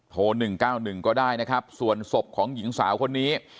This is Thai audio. ๑๙๑ก็ได้นะครับส่วนศพของหญิงสาวคนนี้